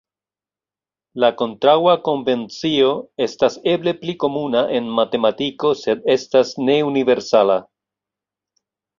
La kontraŭa konvencio estas eble pli komuna en matematiko sed estas ne universala.